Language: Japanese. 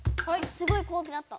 すごいこわくなった。